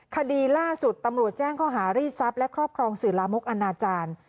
คดีล่าสุดตำรวจแจ้งข้อหารีดทรัพย์และครอบครองสื่อลามกอนาจารย์